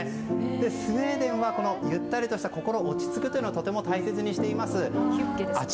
スウェーデンはゆったりとして心が落ち着くというのをとても大切にしています。